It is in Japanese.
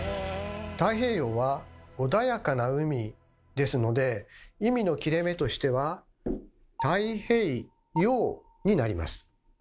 「太平洋」は「穏やかな海」ですので意味の切れ目としては「太平・洋」になります。